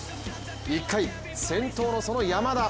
１回、先頭の、その山田。